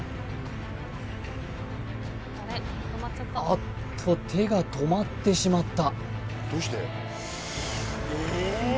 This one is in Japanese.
あっと手が止まってしまった